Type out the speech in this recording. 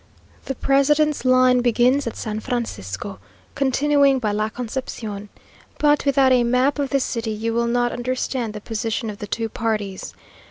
The president's line begins at San Francisco, continuing by La Concepción; but, without a map of the city, you will not understand the position of the two parties.